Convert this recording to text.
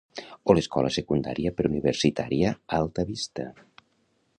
O l'Escola Secundària Preuniversitària Alta Vista.